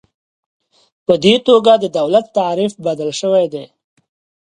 په دې توګه د دولت تعریف بدل شوی دی.